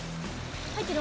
入ってる？